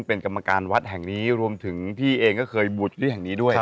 เป็นกรรมการวัดแห่งนี้รวมถึงพี่เองเคยบูรณ์ชุดี้ยิด้วย